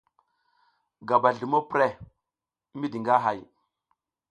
Gabal zlumo prəh, midi nga hay.